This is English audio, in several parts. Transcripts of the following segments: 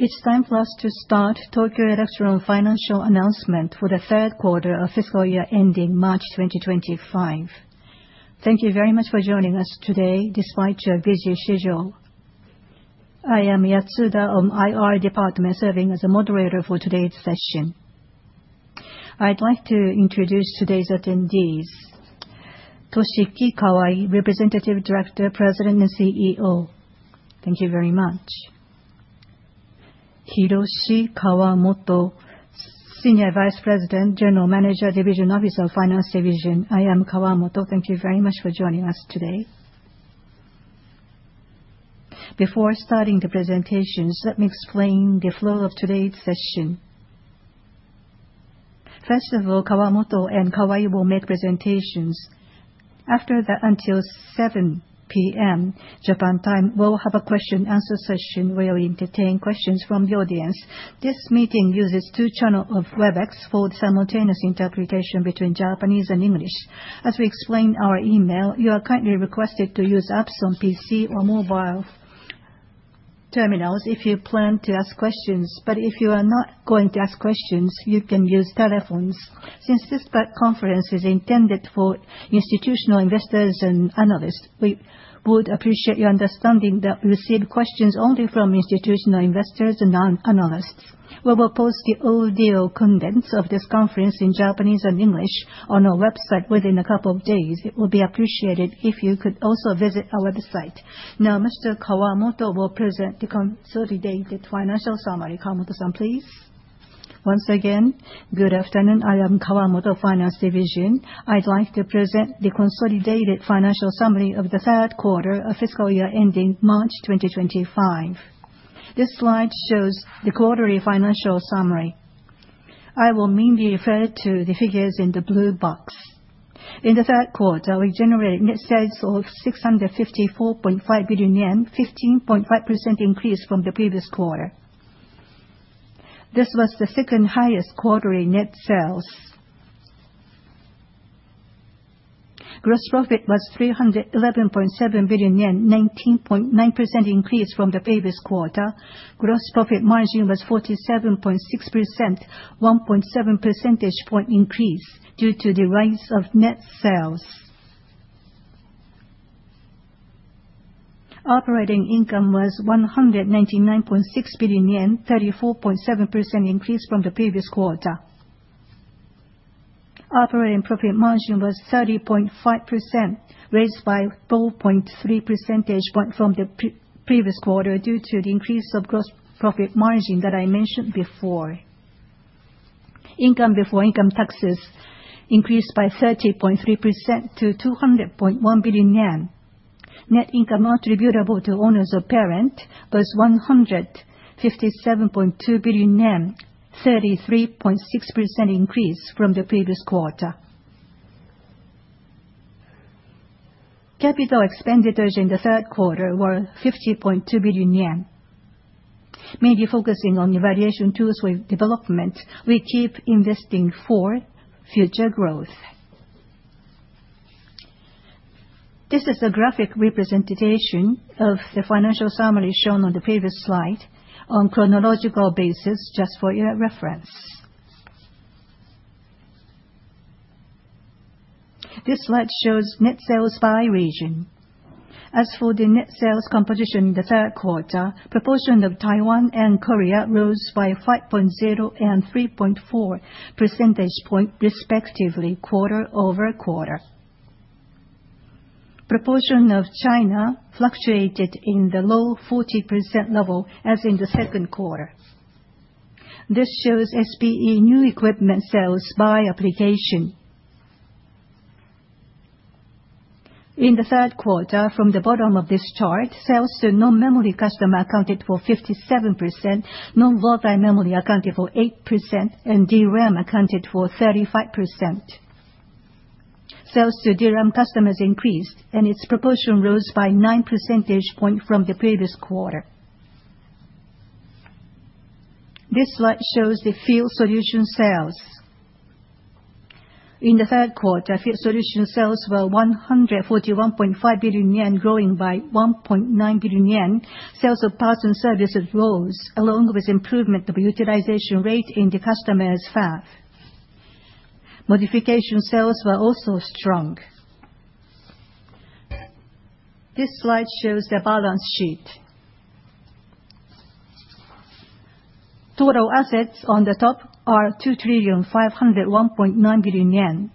It's time for us to start Tokyo Electron financial announcement for the third quarter of fiscal year ending March 2025. Thank you very much for joining us today despite your busy schedule. I am Yatsuda of IR Department, serving as a moderator for today's session. I'd like to introduce today's attendees: Toshiki Kawai, Representative Director, President and CEO. Thank you very much. Hiroshi Kawamoto, Senior Vice President, General Manager of Finance Division. I am Kawamoto. Thank you very much for joining us today. Before starting the presentations, let me explain the flow of today's session. First of all, Kawamoto and Kawai will make presentations. After that, until 7:00 P.M. Japan time, we'll have a question-and-answer session where we'll entertain questions from the audience. This meeting uses two channels of Webex for simultaneous interpretation between Japanese and English. As we explained in our email, you are kindly requested to use apps on PC or mobile terminals if you plan to ask questions, but if you are not going to ask questions, you can use telephones. Since this conference is intended for institutional investors and analysts, we would appreciate your understanding that we receive questions only from institutional investors and analysts. We will post the full contents of this conference in Japanese and English on our website within a couple of days. It would be appreciated if you could also visit our website. Now, Mr. Kawamoto will present the consolidated financial summary. Kawamoto-san, please. Once again, good afternoon. I am Kawamoto, Finance Division. I'd like to present the consolidated financial summary of the third quarter of fiscal year ending March 2025. This slide shows the quarterly financial summary. I will mainly refer to the figures in the blue box. In the third quarter, we generated net sales of 654.5 billion yen, a 15.5% increase from the previous quarter. This was the second highest quarterly net sales. Gross profit was 311.7 billion yen, a 19.9% increase from the previous quarter. Gross profit margin was 47.6%, a 1.7 percentage point increase due to the rise of net sales. Operating income was 199.6 billion yen, a 34.7% increase from the previous quarter. Operating profit margin was 30.5%, raised by 4.3 percentage points from the previous quarter due to the increase of gross profit margin that I mentioned before. Income before income taxes increased by 30.3% to 200.1 billion yen. Net income attributable to owners or parents was 157.2 billion yen, a 33.6% increase from the previous quarter. Capital expenditures in the third quarter were 50.2 billion yen. Mainly focusing on evaluation tools with development, we keep investing for future growth. This is a graphic representation of the financial summary shown on the previous slide on a chronological basis, just for your reference. This slide shows net sales by region. As for the net sales composition in the third quarter, the proportion of Taiwan and Korea rose by 5.0 and 3.4 percentage points, respectively, quarter over quarter. The proportion of China fluctuated in the low 40% level as in the second quarter. This shows SPE New Equipment Sales by application. In the third quarter, from the bottom of this chart, sales to non-memory customers accounted for 57%, non-volatile memory accounted for 8%, and DRAM accounted for 35%. Sales to DRAM customers increased, and its proportion rose by 9 percentage points from the previous quarter. This slide shows the Field Solutions sales. In the third quarter, Field Solutions sales were 141.5 billion yen, growing by 1.9 billion yen. Sales of parts and services rose, along with the improvement of the utilization rate in the customer as well. Modification sales were also strong. This slide shows the balance sheet. Total assets on the top are 2 trillion 501.9 billion.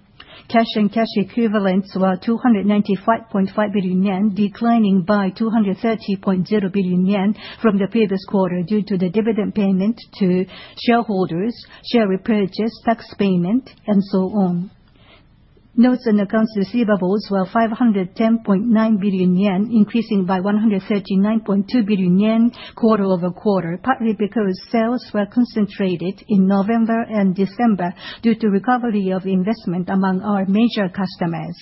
Cash and cash equivalents were 295.5 billion yen, declining by 230.0 billion yen from the previous quarter due to the dividend payment to shareholders, share repurchase, tax payment, and so on. Notes and accounts receivables were 510.9 billion yen, increasing by 139.2 billion yen quarter over quarter, partly because sales were concentrated in November and December due to recovery of investment among our major customers.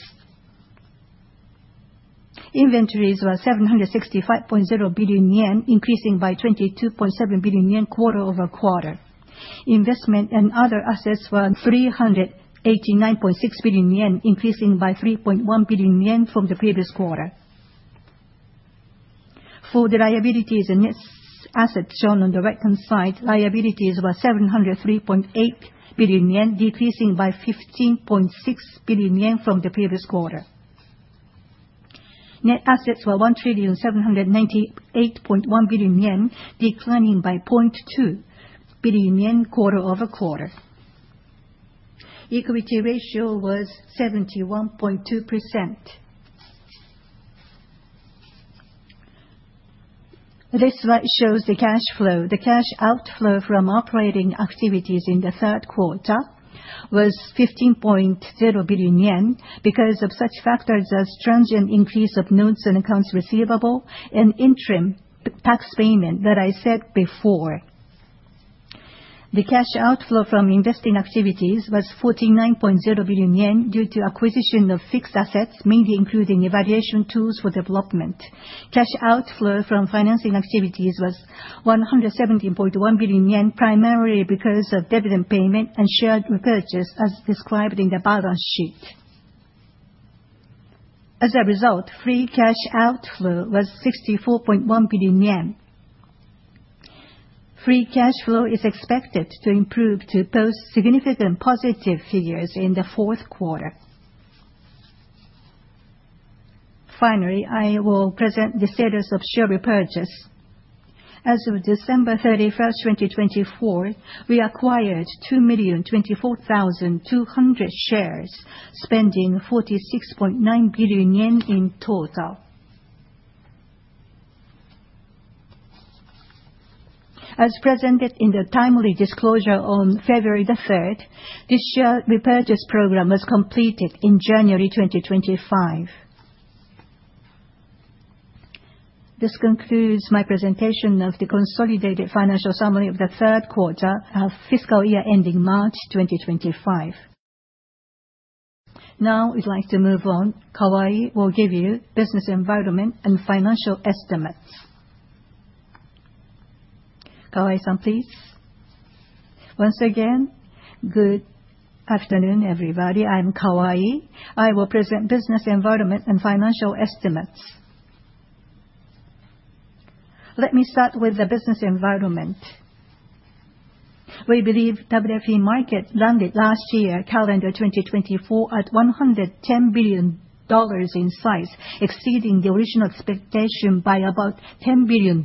Inventories were 765.0 billion yen, increasing by 22.7 billion yen quarter over quarter. Investment and other assets were 389.6 billion yen, increasing by 3.1 billion yen from the previous quarter. For the liabilities and net assets shown on the right-hand side, liabilities were 703.8 billion yen, decreasing by 15.6 billion yen from the previous quarter. Net assets were 1 trillion 798.1 billion, declining by 0.2 billion yen quarter over quarter. Equity ratio was 71.2%. This slide shows the cash flow. The cash outflow from operating activities in the third quarter was 15.0 billion yen because of such factors as transient increase of notes and accounts receivable and interim tax payment that I said before. The cash outflow from investing activities was 49.0 billion yen due to acquisition of fixed assets, mainly including evaluation tools for development. Cash outflow from financing activities was 117.1 billion yen, primarily because of dividend payment and share repurchase, as described in the balance sheet. As a result, free cash outflow was 64.1 billion yen. Free cash flow is expected to improve to post significant positive figures in the fourth quarter. Finally, I will present the status of share repurchase. As of December 31, 2024, we acquired 2,024,200 shares, spending 46.9 billion yen in total. As presented in the timely disclosure on February 3, this share repurchase program was completed in January 2025. This concludes my presentation of the consolidated financial summary of the third quarter of fiscal year ending March 2025. Now, we'd like to move on. Kawai will give you business environment and financial estimates. Kawai-san, please. Once again, good afternoon, everybody. I'm Kawai. I will present business environment and financial estimates. Let me start with the business environment. We believe WFE market landed last year, calendar 2024, at $110 billion in size, exceeding the original expectation by about $10 billion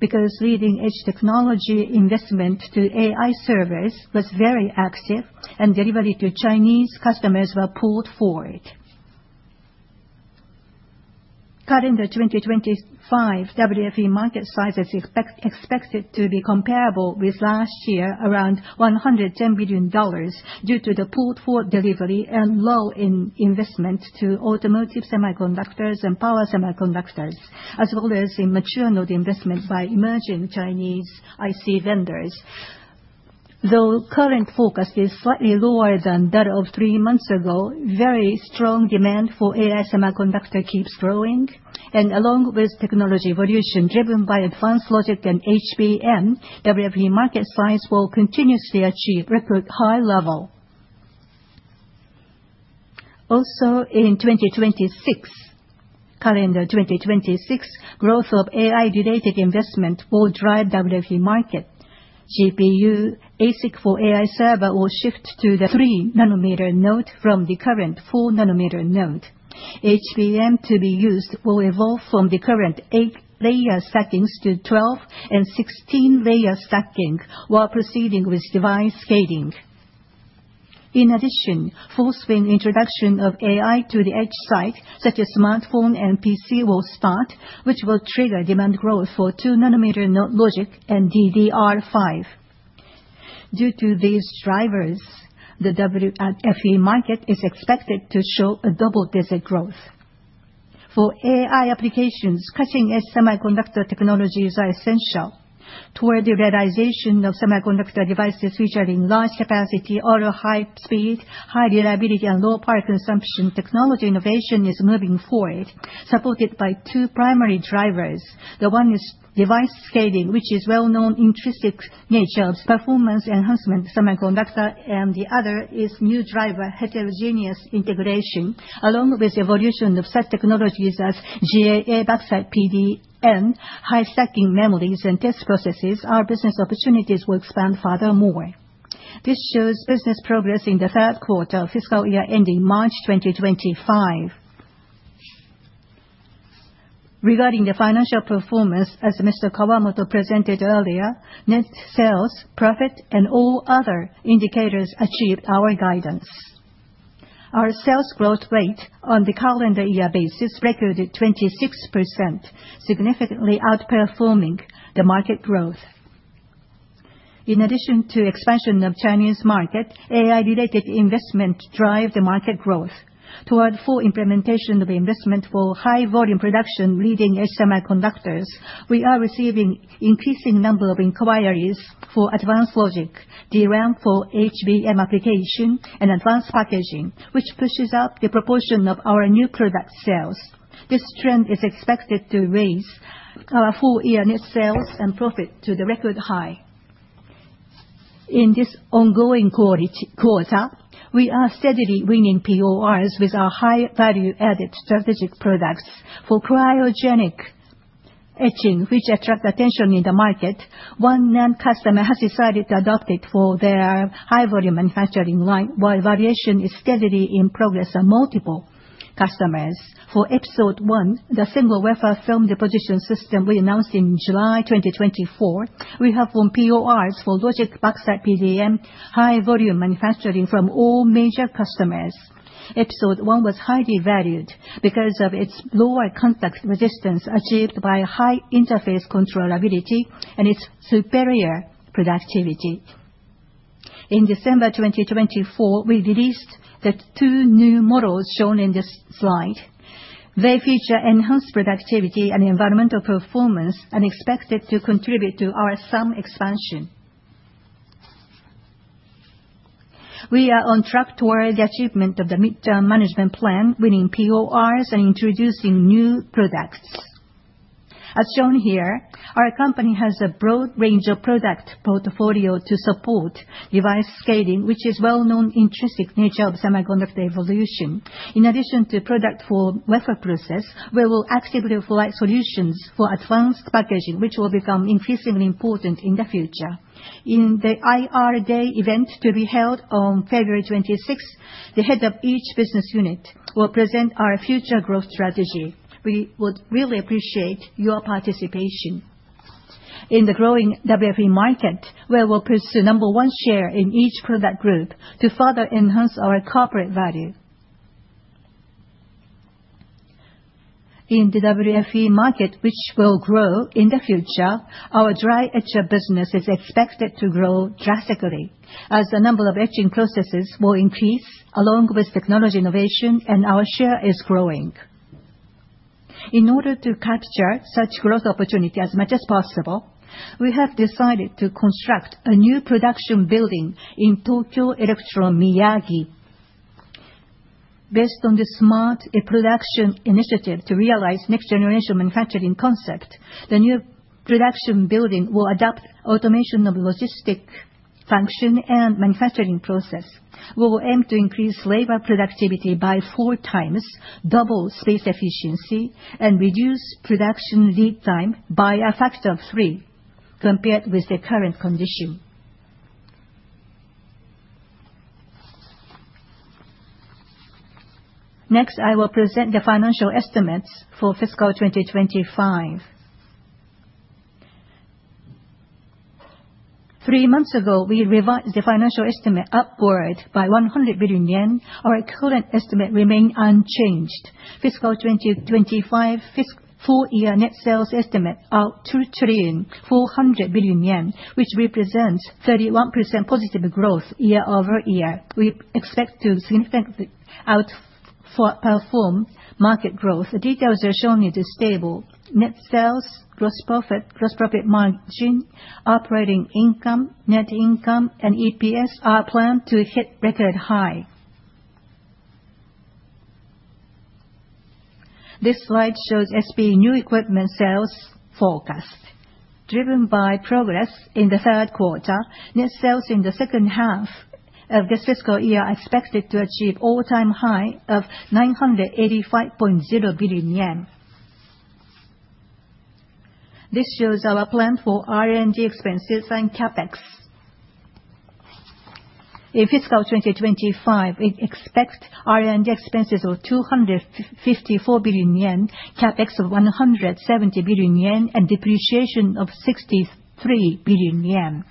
because leading-edge technology investment to AI servers was very active, and delivery to Chinese customers were pulled forward. Calendar 2025 WFE market size is expected to be comparable with last year, around $110 billion, due to the pulled-forward delivery and low in investment to automotive semiconductors and power semiconductors, as well as in mature node investment by emerging Chinese IC vendors. Though current forecast is slightly lower than that of three months ago, very strong demand for AI semiconductor keeps growing, and along with technology evolution driven by advanced logic and HBM, WFE market size will continuously achieve record high level. Also, in 2026, calendar 2026, growth of AI-related investment will drive WFE market. GPU ASIC for AI server will shift to the 3-nm node from the current 4-nm node. HBM to be used will evolve from the current 8-layer stackings to 12- and 16-layer stacking while proceeding with device scaling. In addition, full-scale introduction of AI to the edge site, such as smartphone and PC, will start, which will trigger demand growth for 2-nm node logic and DDR5. Due to these drivers, the WFE market is expected to show a double-digit growth. For AI applications, cutting-edge semiconductor technologies are essential. Toward the realization of semiconductor devices featuring large capacity, ultra high speed, high reliability, and low power consumption, technology innovation is moving forward, supported by two primary drivers. The one is device scaling, which is well-known intrinsic nature of performance enhancement semiconductor, and the other is new driver heterogeneous integration. Along with the evolution of such technologies as GAA backside PDN, high stacking memories, and test processes, our business opportunities will expand furthermore. This shows business progress in the third quarter of fiscal year ending March 2025. Regarding the financial performance, as Mr. Kawamoto presented earlier, net sales, profit, and all other indicators achieved our guidance. Our sales growth rate on the calendar year basis recorded 26%, significantly outperforming the market growth. In addition to expansion of Chinese market, AI-related investment drives the market growth. Toward full implementation of investment for high-volume production leading-edge semiconductors, we are receiving an increasing number of inquiries for advanced logic, DRAM for HBM application, and advanced packaging, which pushes up the proportion of our new product sales. This trend is expected to raise our full-year net sales and profit to the record high. In this ongoing quarter, we are steadily winning PORs with our high-value-added strategic products. For cryogenic etching, which attracts attention in the market, one customer has decided to adopt it for their high-volume manufacturing line, while variation is steadily in progress on multiple customers. For Episode 1, the single wafer film deposition system we announced in July 2024, we have won PORs for logic backside PDN high-volume manufacturing from all major customers. Episode 1 was highly valued because of its lower contact resistance achieved by high interface controllability and its superior productivity. In December 2024, we released the two new models shown in this slide. They feature enhanced productivity and environmental performance and are expected to contribute to our SAM expansion. We are on track toward the achievement of the mid-term management plan, winning PORs and introducing new products. As shown here, our company has a broad range of product portfolios to support device scaling, which is well-known intrinsic nature of semiconductor evolution. In addition to product for wafer process, we will actively provide solutions for advanced packaging, which will become increasingly important in the future. In the IR Day event to be held on February 26, the head of each business unit will present our future growth strategy. We would really appreciate your participation. In the growing WFE market, we will pursue number one share in each product group to further enhance our corporate value. In the WFE market, which will grow in the future, our dry etcher business is expected to grow drastically as the number of etching processes will increase along with technology innovation, and our share is growing. In order to capture such growth opportunity as much as possible, we have decided to construct a new production building in Tokyo Electron Miyagi. Based on the Smart Production initiative to realize next-generation manufacturing concept, the new production building will adopt automation of logistic function and manufacturing process. We will aim to increase labor productivity by four times, double space efficiency, and reduce production lead time by a factor of three compared with the current condition. Next, I will present the financial estimates for fiscal 2025. Three months ago, we revised the financial estimate upward by 100 billion yen. Our current estimate remained unchanged. Fiscal 2025 full-year net sales estimate out 2 trillion 400 billion, which represents 31% positive growth year over year. We expect to significantly outperform market growth. The details are shown in the table. Net sales, gross profit, gross profit margin, operating income, net income, and EPS are planned to hit record high. This slide shows SPE New Equipment Sales Forecast. Driven by progress in the third quarter, net sales in the second half of this fiscal year are expected to achieve all-time high of 985.0 billion JPY. This shows our plan for R&D expenses and CapEx. In fiscal 2025, we expect R&D expenses of 254 billion yen, CapEx of 170 billion yen, and depreciation of 63 billion yen.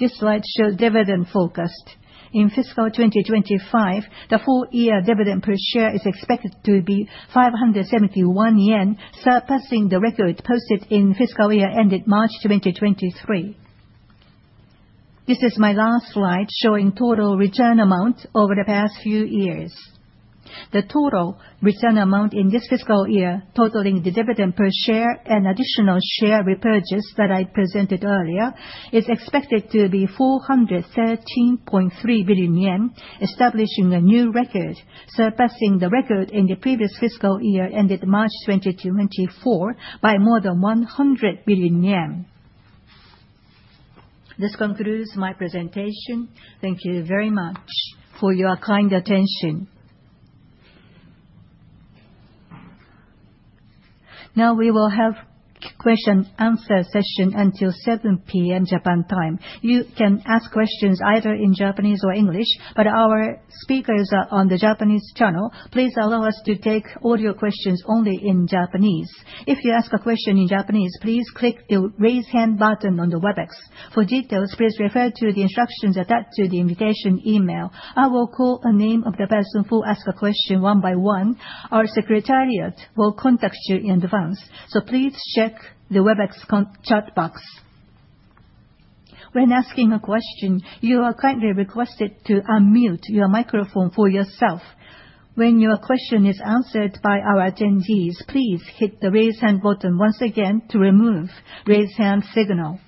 This slide shows dividend forecast. In fiscal 2025, the full-year dividend per share is expected to be 571 yen, surpassing the record posted in fiscal year ended March 2023. This is my last slide showing total return amount over the past few years. The total return amount in this fiscal year, totaling the dividend per share and additional share repurchase that I presented earlier, is expected to be 413.3 billion yen, establishing a new record, surpassing the record in the previous fiscal year ended March 2024 by more than 100 billion yen. This concludes my presentation. Thank you very much for your kind attention. Now we will have a question-and-answer session until 7:00 P.M. Japan time. You can ask questions either in Japanese or English, but our speakers are on the Japanese channel. Please allow us to take audio questions only in Japanese. If you ask a question in Japanese, please click the raise hand button on the Webex. For details, please refer to the instructions attached to the invitation email. I will call the name of the person who asked a question one by one. Our secretariat will contact you in advance, so please check the Webex chat box. When asking a question, you are kindly requested to unmute your microphone for yourself. When your question is answered by our attendees, please hit the raise hand button once again to remove the raise hand signal.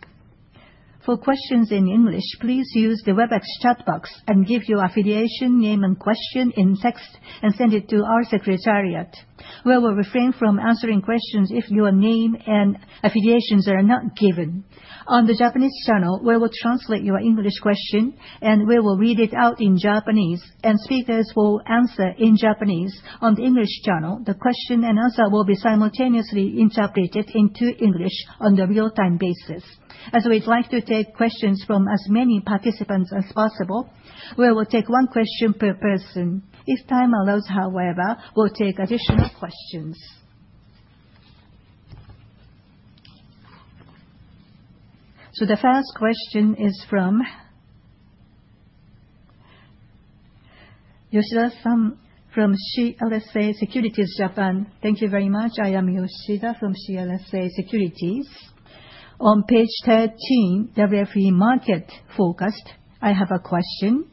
For questions in English, please use the Webex chat box and give your affiliation, name, and question in text and send it to our secretariat. We will refrain from answering questions if your name and affiliations are not given. On the Japanese channel, we will translate your English question, and we will read it out in Japanese, and speakers will answer in Japanese. On the English channel, the question and answer will be simultaneously interpreted into English on a real-time basis. As we'd like to take questions from as many participants as possible, we will take one question per person. If time allows, however, we'll take additional questions. The first question is from Yoshida-san from CLSA Securities Japan. Thank you very much. I am Yoshida from CLSA Securities. On page 13, WFE Market Forecast, I have a question.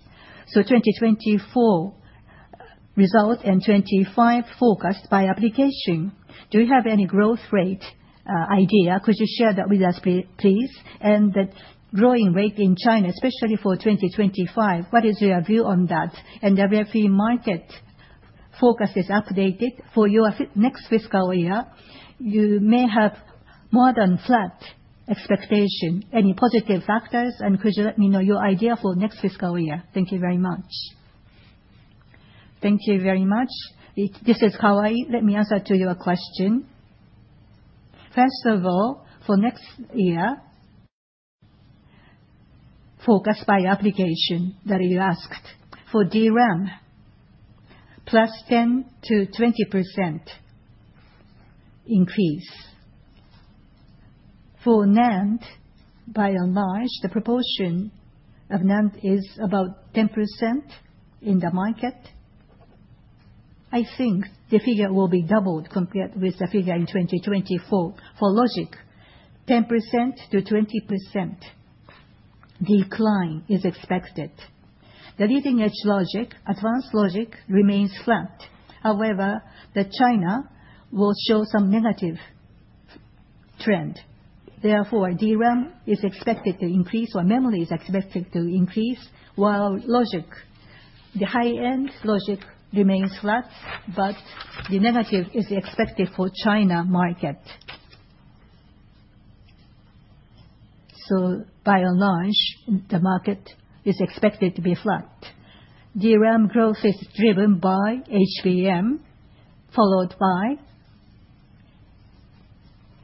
So 2024 results and 2025 forecast by application. Do you have any growth rate idea? Could you share that with us, please? And the growth rate in China, especially for 2025, what is your view on that? And WFE market forecast is updated for your next fiscal year. You may have more than flat expectation. Any positive factors? And could you let me know your idea for next fiscal year? Thank you very much. Thank you very much. This is Kawai. Let me answer your question. First of all, for next year, forecast by application that you asked for DRAM, plus 10%-20% increase. For NAND, by and large, the proportion of NAND is about 10% in the market. I think the figure will be doubled compared with the figure in 2024. For logic, 10%-20% decline is expected. The leading-edge logic, advanced logic remains flat. However, China will show some negative trend. Therefore, DRAM is expected to increase or memory is expected to increase, while logic, the high-end logic, remains flat, but the negative is expected for China market. So by and large, the market is expected to be flat. DRAM growth is driven by HBM, followed by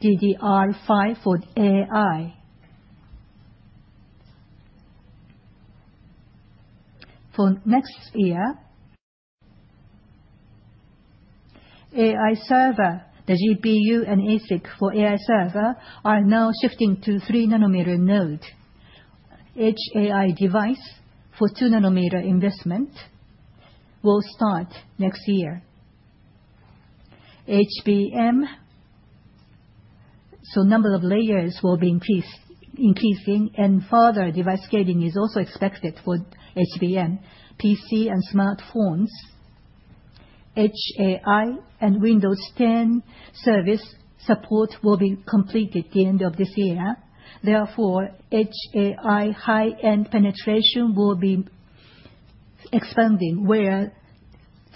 DDR5 for AI. For next year, AI server, the GPU and ASIC for AI server are now shifting to 3-nm node. Each AI device for 2-nm investment will start next year. HBM, so number of layers will be increasing, and further device scaling is also expected for HBM, PC, and smartphones. Edge AI and Windows 10 service support will be completed at the end of this year. Therefore, Edge AI high-end penetration will be expanding where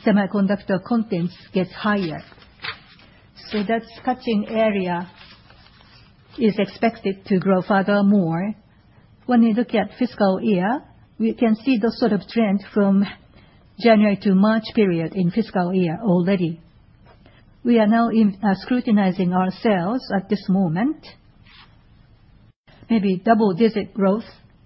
semiconductor contents get higher. So that cutting area is expected to grow furthermore. When we look at fiscal year, we can see the sort of trend from January to March period in fiscal year already. We are now scrutinizing ourselves at this moment. Maybe double-digit growth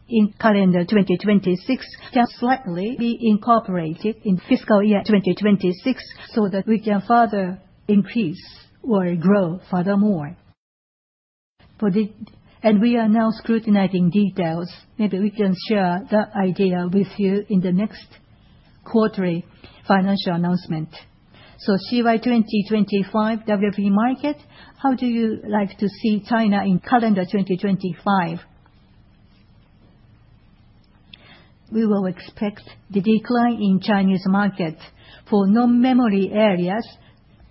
in calendar 2026 can slightly be incorporated in fiscal year 2026 so that we can further increase or grow furthermore. And we are now scrutinizing details. Maybe we can share the idea with you in the next quarterly financial announcement. So CY 2025 WFE market, how do you like to see China in calendar 2025? We will expect the decline in Chinese market for non-memory areas.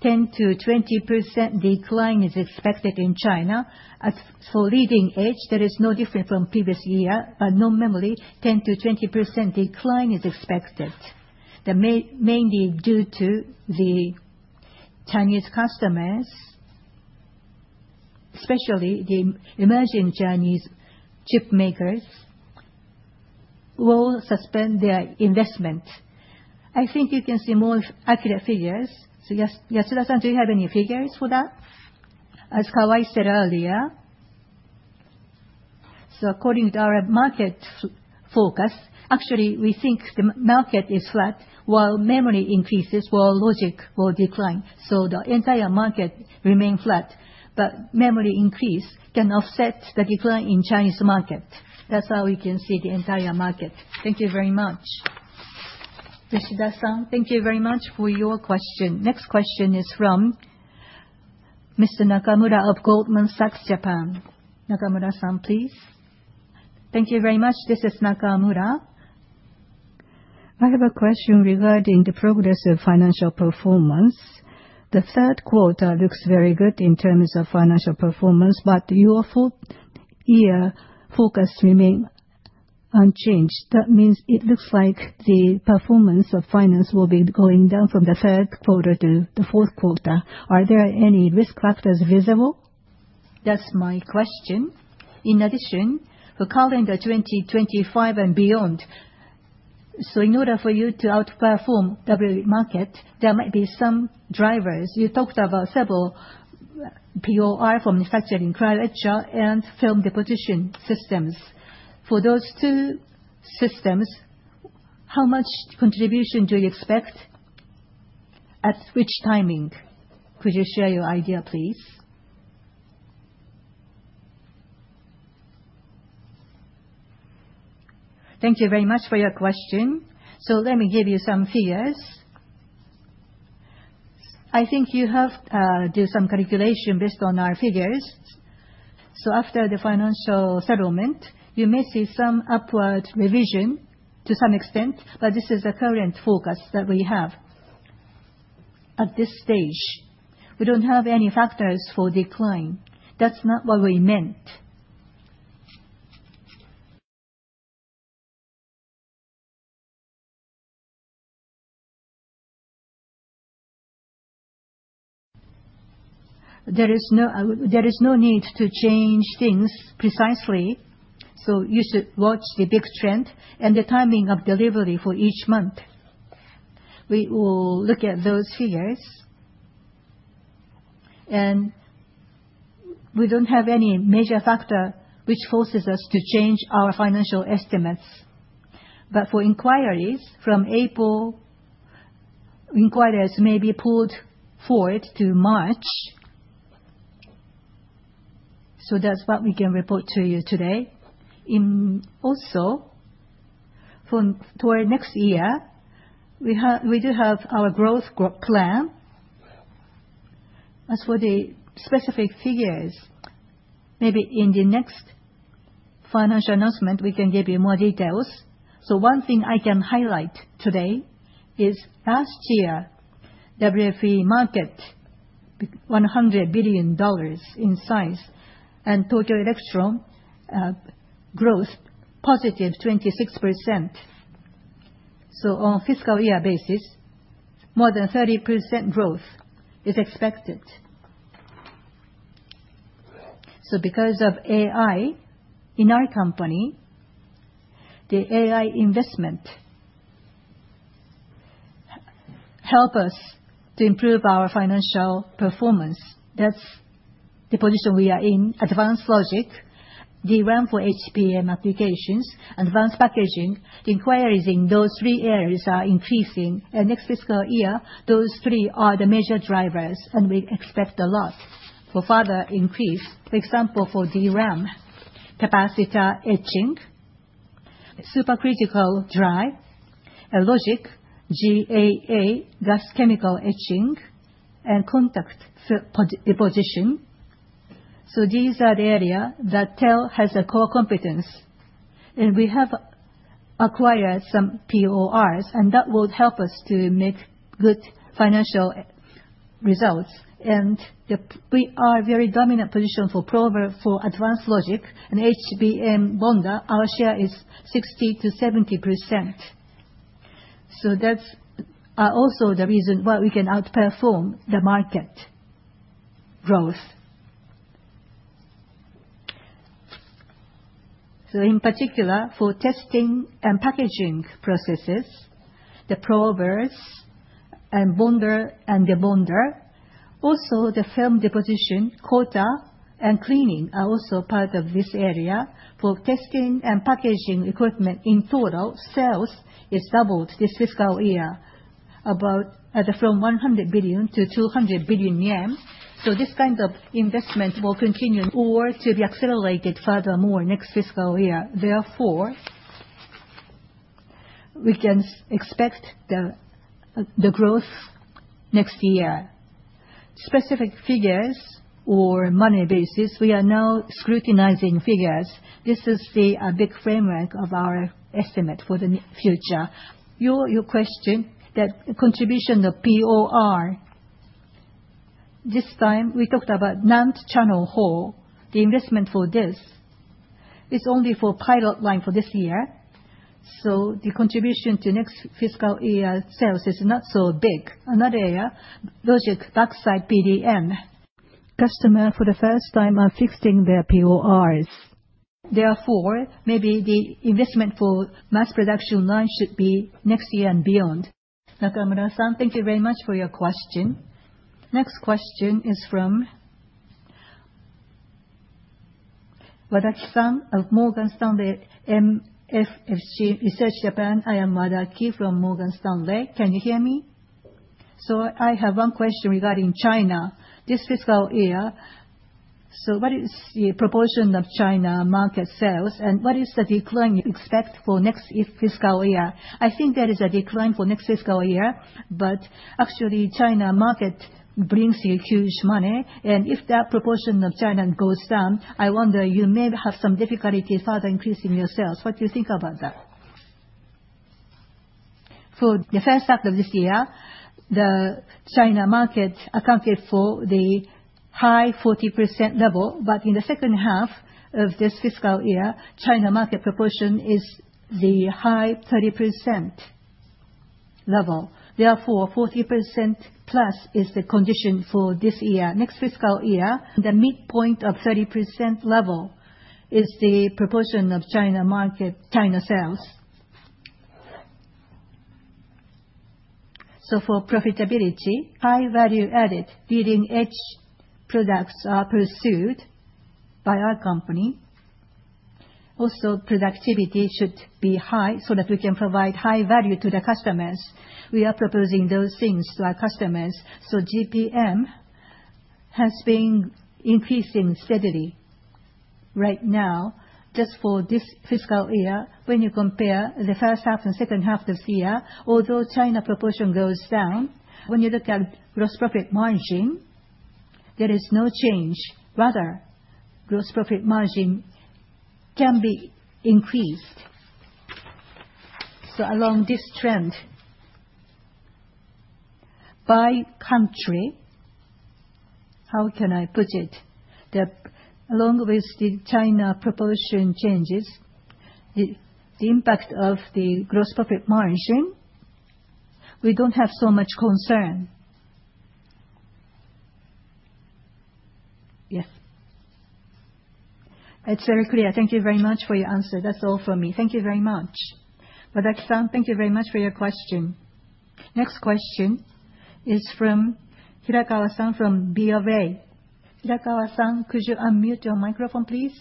10%-20% decline is expected in China. For leading edge, there is no difference from previous year, but non-memory, 10%-20% decline is expected. Mainly due to the Chinese customers, especially the emerging Chinese chip makers, will suspend their investment. I think you can see more accurate figures. So Yatsuda-san, do you have any figures for that? As Kawai said earlier, so according to our market focus, actually, we think the market is flat while memory increases, while logic will decline. So the entire market remains flat, but memory increase can offset the decline in Chinese market. That's how we can see the entire market. Thank you very much. Yoshida-san, thank you very much for your question. Next question is from Mr. Nakamura of Goldman Sachs Japan. Nakamura-san, please. Thank you very much. This is Nakamura. I have a question regarding the progress of financial performance. The third quarter looks very good in terms of financial performance, but your full-year forecast remains unchanged. That means it looks like the performance of finance will be going down from the third quarter to the fourth quarter. Are there any risk factors visible? That's my question. In addition, for calendar 2025 and beyond, so in order for you to outperform WFE market, there might be some drivers. You talked about several POR for manufacturing cryo-etcher and film deposition systems. For those two systems, how much contribution do you expect? At which timing? Could you share your idea, please? Thank you very much for your question. So let me give you some figures. I think you have to do some calculation based on our figures. So after the financial settlement, you may see some upward revision to some extent, but this is the current focus that we have at this stage. We don't have any factors for decline. That's not what we meant. There is no need to change things precisely, so you should watch the big trend and the timing of delivery for each month. We will look at those figures, and we don't have any major factor which forces us to change our financial estimates. But for inquiries from April, inquiries may be pulled forward to March. So that's what we can report to you today. Also, for next year, we do have our growth plan. As for the specific figures, maybe in the next financial announcement, we can give you more details. So one thing I can highlight today is last year, WFE market $100 billion in size, and Tokyo Electron growth positive 26%. So on a fiscal year basis, more than 30% growth is expected. So because of AI in our company, the AI investment helps us to improve our financial performance. That's the position we are in. Advanced logic, DRAM for HBM applications, advanced packaging, the inquiries in those three areas are increasing. And next fiscal year, those three are the major drivers, and we expect a lot for further increase. For example, for DRAM, capacitor etching, supercritical drying, logic, GAA, gas chemical etching, and contact deposition. So these are the areas that TEL has a core competence. And we have acquired some PORs, and that will help us to make good financial results. And we are in a very dominant position for advanced logic and HBM bonder. Our share is 60%-70%. So that's also the reason why we can outperform the market growth. So in particular, for testing and packaging processes, the probes and the bonder, also the film deposition, coater, and cleaning are also part of this area. For testing and packaging equipment in total, sales is doubled this fiscal year, about from 100 billion-200 billion yen. So this kind of investment will continue or to be accelerated furthermore next fiscal year. Therefore, we can expect the growth next year. Specific figures or money basis, we are now scrutinizing figures. This is the big framework of our estimate for the future. Your question, that contribution of POR, this time, we talked about NAND channel hole. The investment for this is only for pilot line for this year. So the contribution to next fiscal year sales is not so big. Another area, logic backside PDN. Customers, for the first time, are fixing their PORs. Therefore, maybe the investment for mass production line should be next year and beyond. Nakamura-san, thank you very much for your question. Next question is from Morgan Stanley MUFG Research Japan. I am Wadaki from Morgan Stanley. Can you hear me? So I have one question regarding China. This fiscal year, so what is the proportion of China market sales and what is the decline you expect for next fiscal year? I think there is a decline for next fiscal year, but actually, China market brings you huge money. And if that proportion of China goes down, I wonder you may have some difficulty further increasing your sales. What do you think about that? For the first half of this year, the China market accounted for the high 40% level, but in the second half of this fiscal year, China market proportion is the high 30% level. Therefore, 40% plus is the condition for this year. Next fiscal year, the midpoint of 30% level is the proportion of China market, China sales, so for profitability, high value-added leading-edge products are pursued by our company. Also, productivity should be high so that we can provide high value to the customers. We are proposing those things to our customers, so GPM has been increasing steadily right now. Just for this fiscal year, when you compare the first half and second half of this year, although China proportion goes down, when you look at gross profit margin, there is no change. Rather, gross profit margin can be increased. So along this trend, by country, how can I put it? Along with the China proportion changes, the impact of the gross profit margin, we don't have so much concern. Yes. It's very clear. Thank you very much for your answer. That's all for me. Thank you very much. Wadaki-san, thank you very much for your question. Next question is from Hirakawa-san from BofA. Hirakawa-san, could you unmute your microphone, please?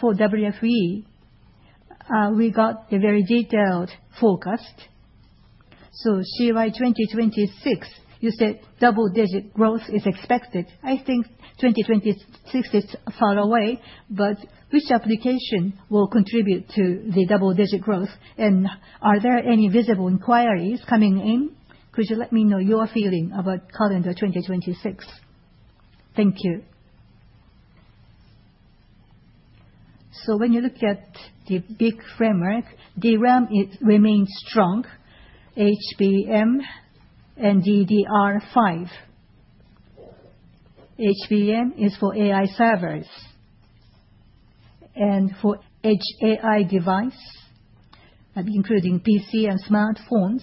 For WFE, we got the very detailed forecast. So CY 2026, you said double-digit growth is expected. I think 2026 is far away, but which application will contribute to the double-digit growth? And are there any visible inquiries coming in? Could you let me know your feeling about calendar 2026? Thank you. So when you look at the big framework, DRAM remains strong, HBM, and DDR5. HBM is for AI servers. For Edge AI device, including PC and smartphones,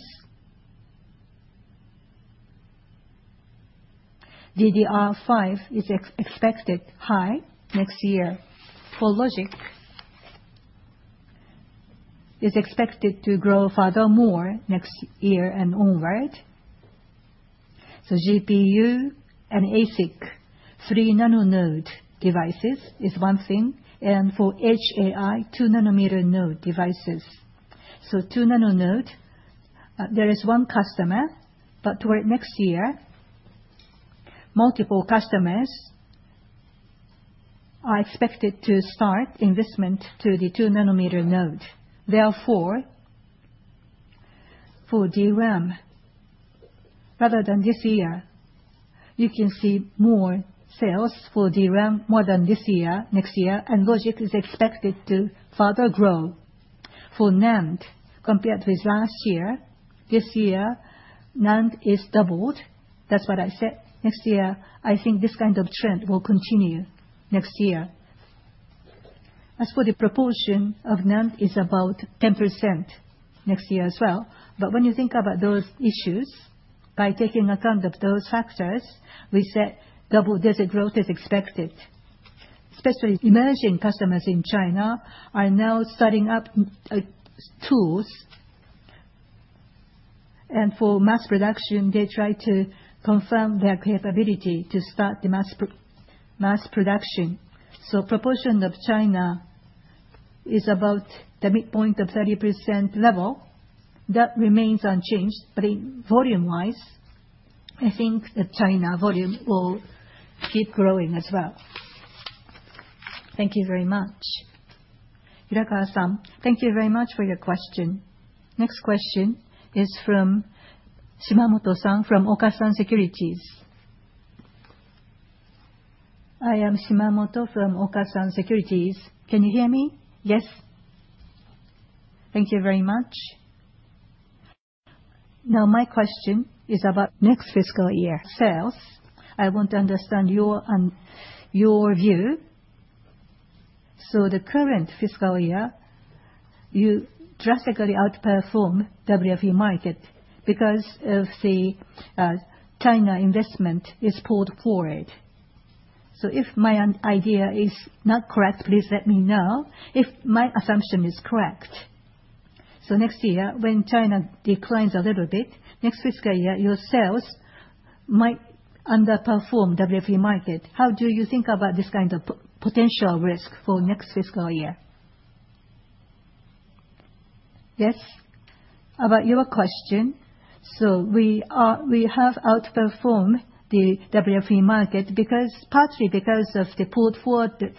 DDR5 is expected high next year. For logic, it is expected to grow furthermore next year and onward. GPU and ASIC, 3-nm node devices is one thing. For Edge AI, 2-nm node devices. 2-nm, there is one customer, but toward next year, multiple customers are expected to start investment to the 2-nm node. Therefore, for DRAM, rather than this year, you can see more sales for DRAM more than this year, next year, and logic is expected to further grow. For NAND, compared with last year, this year, NAND is doubled. That's what I said. Next year, I think this kind of trend will continue next year. As for the proportion of NAND, it is about 10% next year as well. But when you think about those issues, by taking account of those factors, we said double-digit growth is expected, especially emerging customers in China are now starting up tools. And for mass production, they try to confirm their capability to start the mass production. So the proportion of China is about the midpoint of 30% level. That remains unchanged, but volume-wise, I think that China volume will keep growing as well. Thank you very much. Hirakawa-san, thank you very much for your question. Next question is from Shimamoto-san from Okasan Securities. I am Shimamoto from Okasan Securities. Can you hear me? Yes. Thank you very much. Now, my question is about next fiscal year sales. I want to understand your view. So the current fiscal year, you drastically outperformed WFE market because of the China investment is pulled forward. So if my idea is not correct, please let me know if my assumption is correct. So next year, when China declines a little bit, next fiscal year, your sales might underperform WFE market. How do you think about this kind of potential risk for next fiscal year? Yes. About your question, so we have outperformed the WFE market partly because of the pulled-forward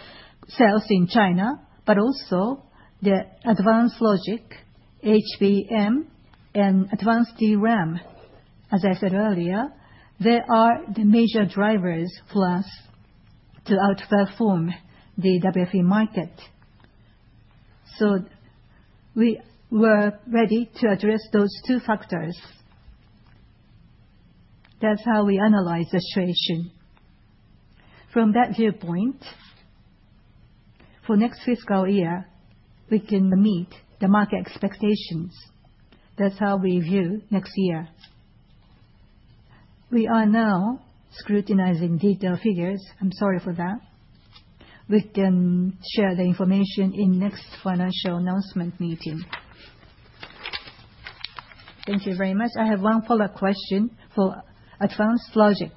sales in China, but also the advanced logic, HBM, and advanced DRAM. As I said earlier, they are the major drivers for us to outperform the WFE market. So we were ready to address those two factors. That's how we analyze the situation. From that viewpoint, for next fiscal year, we can meet the market expectations. That's how we view next year. We are now scrutinizing detailed figures. I'm sorry for that. We can share the information in the next financial announcement meeting. Thank you very much. I have one follow-up question for advanced logic.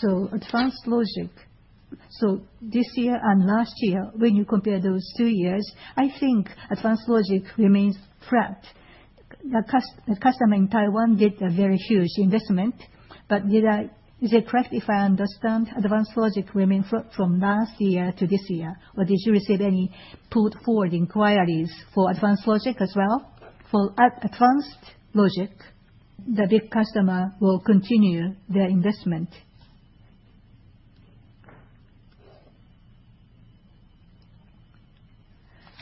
So advanced logic, so this year and last year, when you compare those two years, I think advanced logic remains fraught. The customer in Taiwan did a very huge investment, but is it correct if I understand advanced logic remained fraught from last year to this year? Or did you receive any pulled-forward inquiries for advanced logic as well? For advanced logic, the big customer will continue their investment.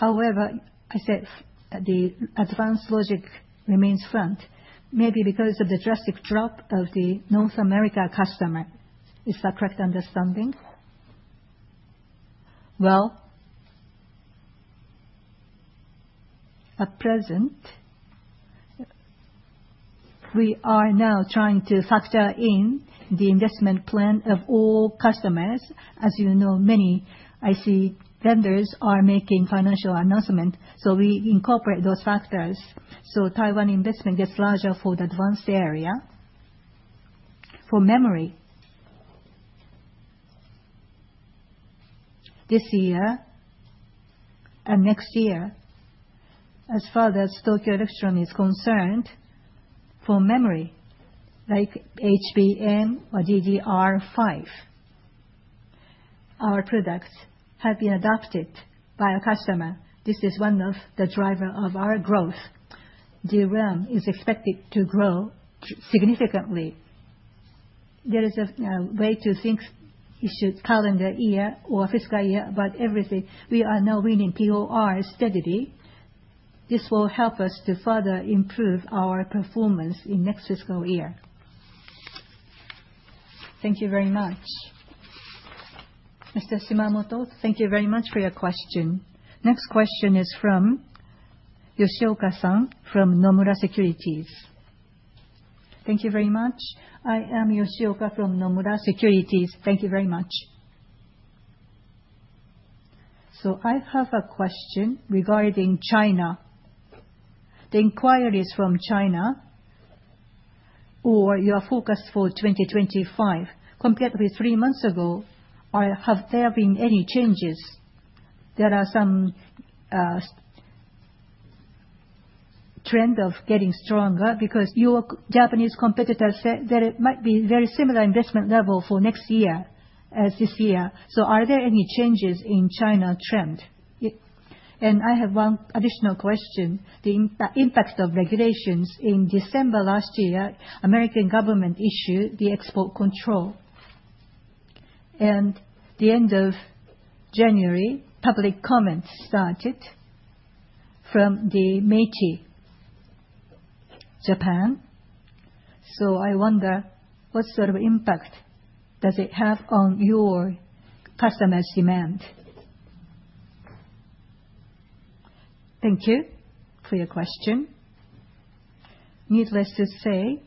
However, I said the advanced logic remains fraught, maybe because of the drastic drop of the North America customer. Is that a correct understanding? Well, at present, we are now trying to factor in the investment plan of all customers. As you know, many IC vendors are making financial announcements, so we incorporate those factors. So Taiwan investment gets larger for the advanced area. For memory, this year and next year, as far as Tokyo Electron is concerned, for memory, like HBM or DDR5, our products have been adopted by our customer. This is one of the drivers of our growth. DRAM is expected to grow significantly. There is a way to think: is it calendar year or fiscal year, but everything, we are now winning PORs steadily. This will help us to further improve our performance in next fiscal year. Thank you very much. Mr. Shimamoto, thank you very much for your question. Next question is from Yu Okazaki-san from Nomura Securities. Thank you very much. I am Yu Okazaki from Nomura Securities. Thank you very much. So I have a question regarding China. The inquiries from China or your forecast for 2025, compared with three months ago, have there been any changes? There are some trends of getting stronger because your Japanese competitors said there might be a very similar investment level for next year as this year. So are there any changes in China trend? And I have one additional question. The impact of regulations in December last year, the American government issued the export control. And the end of January, public comments started from the METI Japan. So I wonder what sort of impact does it have on your customer's demand? Thank you for your question. Needless to say,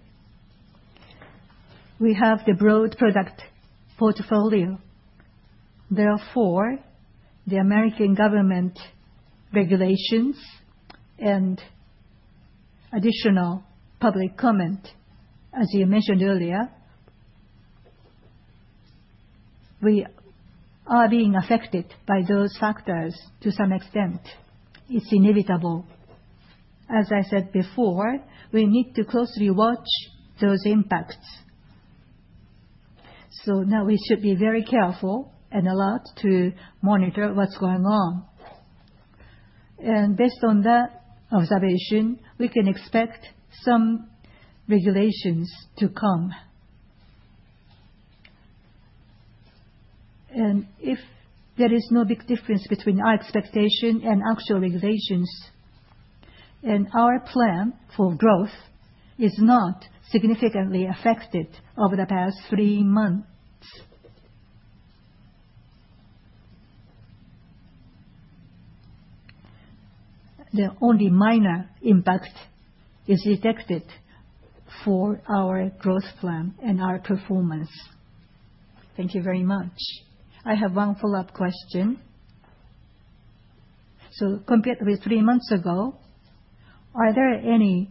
we have the broad product portfolio. Therefore, the American government regulations and additional public comment, as you mentioned earlier, we are being affected by those factors to some extent. It's inevitable. As I said before, we need to closely watch those impacts. So now we should be very careful and alert to monitor what's going on. Based on that observation, we can expect some regulations to come. And if there is no big difference between our expectation and actual regulations, and our plan for growth is not significantly affected over the past three months, the only minor impact is detected for our growth plan and our performance. Thank you very much. I have one follow-up question. So compared with three months ago, are there any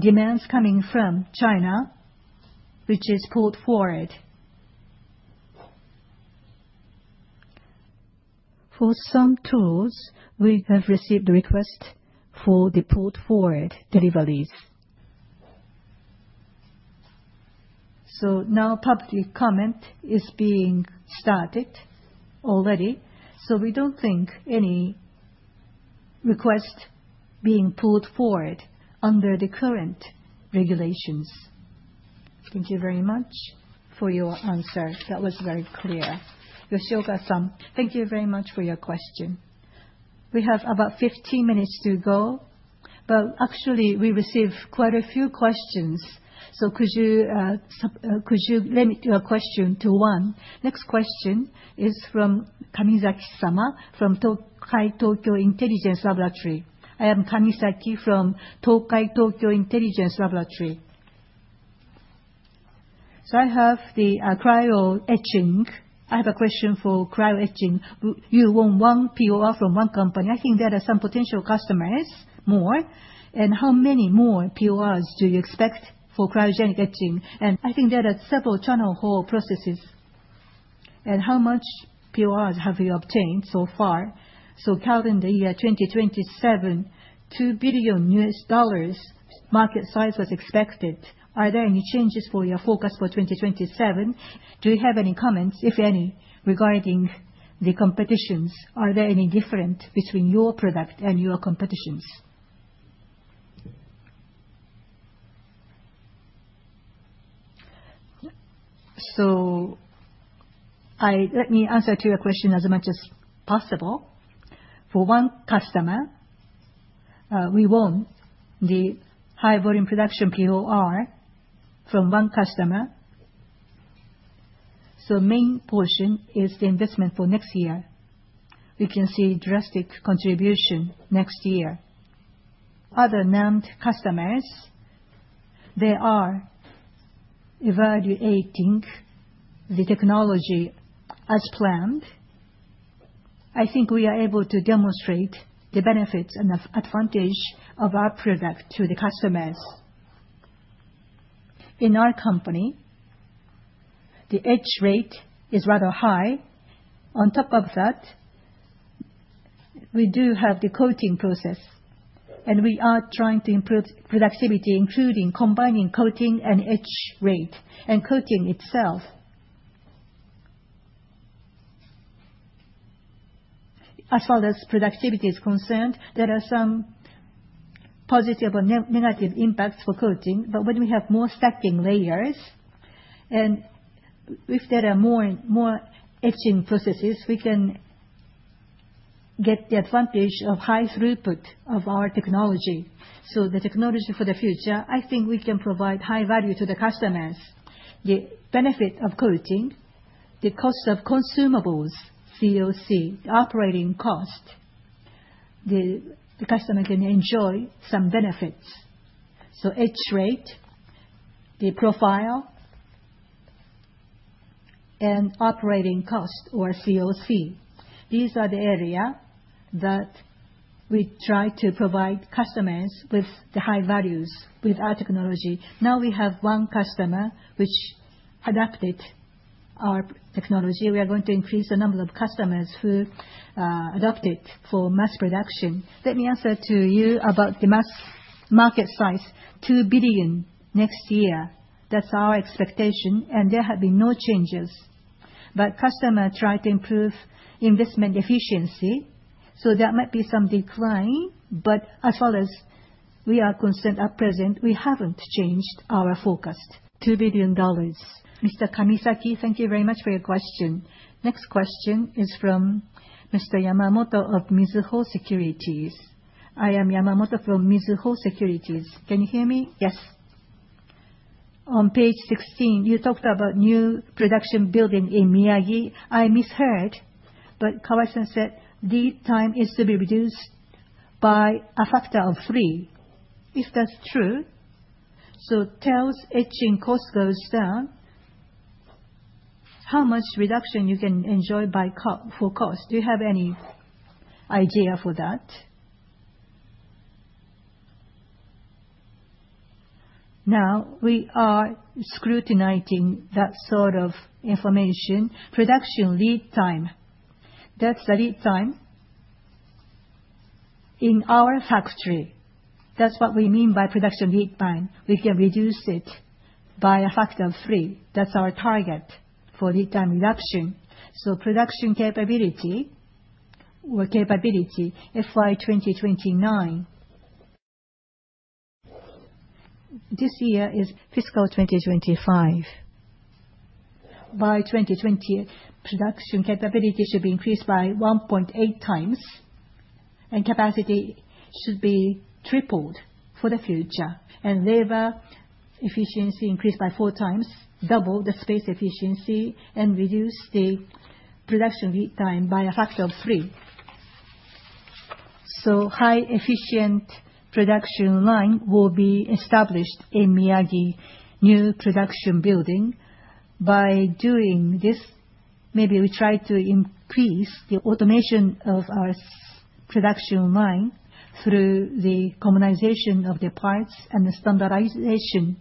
demands coming from China which is pulled forward? For some tools, we have received a request for the pulled-forward deliveries. So now public comment is being started already. So we don't think any request is being pulled forward under the current regulations. Thank you very much for your answer. That was very clear. Yu Okazaki-san, thank you very much for your question. We have about 15 minutes to go, but actually, we received quite a few questions. Could you limit your question to one? Next question is from Kamisaki-sama from Tokai Tokyo Intelligence Laboratory. I am Kamisaki from Tokai Tokyo Intelligence Laboratory. So I have the cryo-etching. I have a question for cryo-etching. You want one POR from one company. I think there are some potential customers more. And how many more PORs do you expect for cryogenic etching? And I think there are several channel hole processes. And how much PORs have you obtained so far? So calendar year 2027, $2 billion market size was expected. Are there any changes for your forecast for 2027? Do you have any comments, if any, regarding the competitors? Are there any differences between your product and your competitors? So let me answer to your question as much as possible. For one customer, we want the high-volume production POR from one customer. Main portion is the investment for next year. We can see a drastic contribution next year. Other NAND customers, they are evaluating the technology as planned. I think we are able to demonstrate the benefits and the advantage of our product to the customers. In our company, the edge rate is rather high. On top of that, we do have the coating process, and we are trying to improve productivity, including combining coating and edge rate and coating itself. As far as productivity is concerned, there are some positive or negative impacts for coating, but when we have more stacking layers, and if there are more etching processes, we can get the advantage of high throughput of our technology. The technology for the future, I think we can provide high value to the customers. The benefit of coating, the cost of consumables, COC, the operating cost, the customer can enjoy some benefits. So edge rate, the profile, and operating cost, or COC. These are the areas that we try to provide customers with the high values with our technology. Now we have one customer which adopted our technology. We are going to increase the number of customers who adopt it for mass production. Let me answer to you about the mass market size. $2 billion next year. That's our expectation, and there have been no changes. But customers try to improve investment efficiency, so there might be some decline. But as far as we are concerned at present, we haven't changed our forecast. $2 billion. Mr. Kamisaki, thank you very much for your question. Next question is from Mr. Yamamoto of Mizuho Securities. I am Yamamoto from Mizuho Securities. Can you hear me? Yes. On page 16, you talked about new production building in Miyagi. I misheard, but Kawai-san said lead time is to be reduced by a factor of three. If that's true, so TEL's etching cost goes down, how much reduction you can enjoy for cost? Do you have any idea for that? Now we are scrutinizing that sort of information. Production lead time, that's the lead time in our factory. That's what we mean by production lead time. We can reduce it by a factor of three. That's our target for lead time reduction. Production capability, FY 2029. This year is fiscal 2025. By 2029, production capability should be increased by 1.8 times, and capacity should be tripled for the future. Labor efficiency increased by four times, double the space efficiency, and reduce the production lead time by a factor of three. highly efficient production line will be established in Miyagi, new production building. By doing this, maybe we try to increase the automation of our production line through the commonization of the parts and the standardization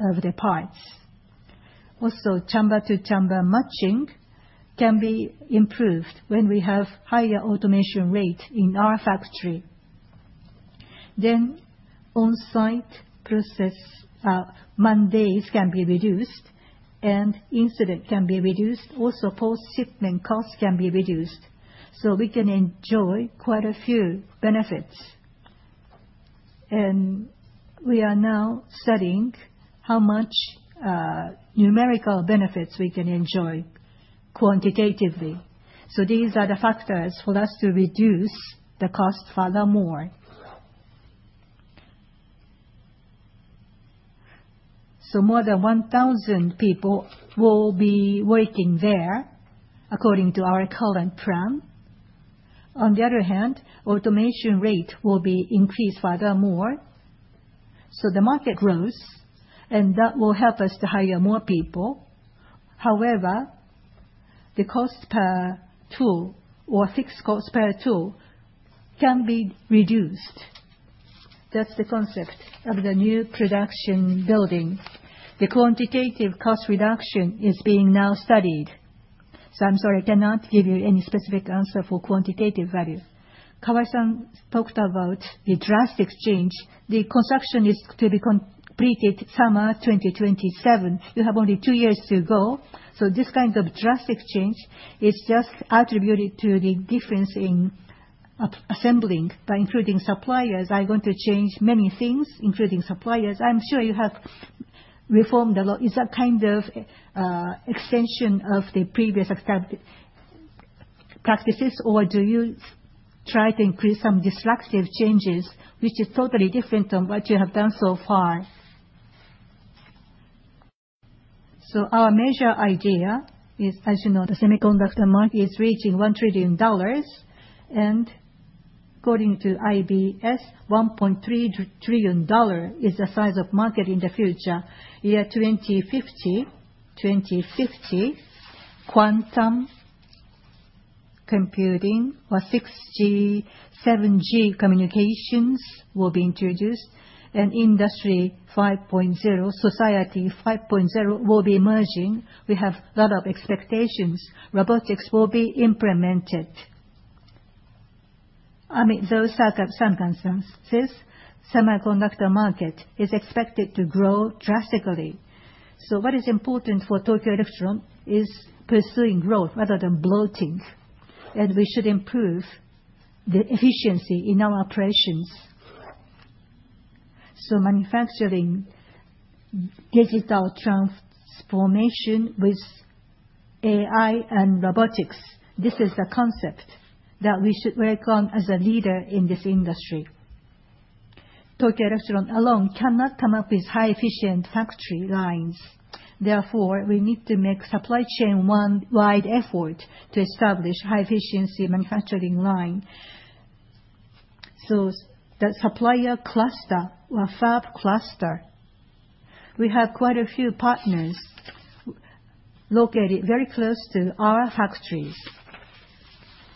of the parts. Also, chamber-to-chamber matching can be improved when we have higher automation rate in our factory. Then on-site process maintenance can be reduced, and incidents can be reduced. Also, post-shipment costs can be reduced. We can enjoy quite a few benefits. We are now studying how much numerical benefits we can enjoy quantitatively. These are the factors for us to reduce the cost furthermore. More than 1,000 people will be working there, according to our current plan. On the other hand, automation rate will be increased furthermore. The market grows, and that will help us to hire more people. However, the cost per tool or fixed cost per tool can be reduced. That's the concept of the new production building. The quantitative cost reduction is being now studied. So I'm sorry, I cannot give you any specific answer for quantitative value. Kawai-san talked about the drastic change. The construction is to be completed summer 2027. You have only two years to go. So this kind of drastic change is just attributed to the difference in assembling. By including suppliers, I want to change many things, including suppliers. I'm sure you have reformed a lot. Is that kind of extension of the previous practices, or do you try to increase some destructive changes, which is totally different from what you have done so far? So our major idea is, as you know, the semiconductor market is reaching $1 trillion, and according to IBS, $1.3 trillion is the size of market in the future. Year 2050, quantum computing or 6G, 7G communications will be introduced, and Industry 5.0, Society 5.0 will be emerging. We have a lot of expectations. Robotics will be implemented. Amid those circumstances, the semiconductor market is expected to grow drastically. So what is important for Tokyo Electron is pursuing growth rather than bloating, and we should improve the efficiency in our operations. So manufacturing digital transformation with AI and robotics, this is the concept that we should work on as a leader in this industry. Tokyo Electron alone cannot come up with high-efficient factory lines. Therefore, we need to make supply chain-wide effort to establish high-efficiency manufacturing line. So the supplier cluster or fab cluster, we have quite a few partners located very close to our factories.